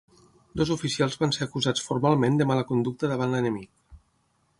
Dos oficials van ser acusats formalment de mala conducta davant l'enemic.